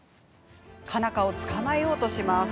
佳奈花を捕まえようとします。